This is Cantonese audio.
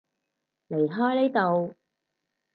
離開呢度